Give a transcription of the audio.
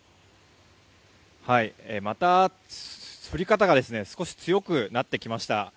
また、降り方が少し強くなってきました。